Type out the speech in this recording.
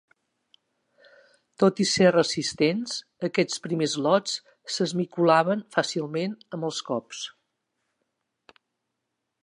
Tot i ser resistents, aquests primers lots s'esmicolaven fàcilment amb els cops.